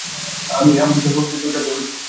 আমি এসব আর সহ্য করতে পারছি না।